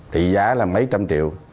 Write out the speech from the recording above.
tỷ giá là mấy trăm triệu